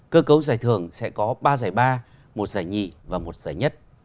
cơ cấu giải thưởng sẽ có ba giải ba một giải nhì và một giải nhất